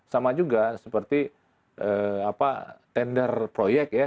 sama juga seperti tender proyek ya